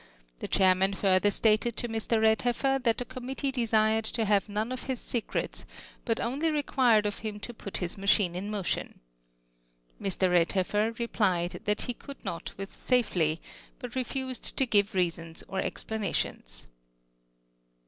The chairman riirtlier staled to Mr. Redhefl'cr, that tlie committee desirctl to have none of his secrets, but only required of him to put iiis machine in motion. mV. RedhefTer, replied, ihat lie could not with safely — but refused to give reasons or explanations.